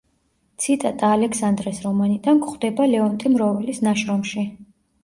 ციტატა „ალექსანდრეს რომანიდან“ გვხვდება ლეონტი მროველის ნაშრომში.